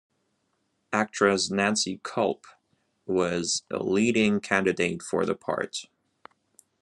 Actress Nancy Kulp was a leading candidate for the part.